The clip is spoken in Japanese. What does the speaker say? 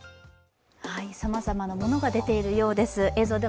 さまざまなものが出ているようです。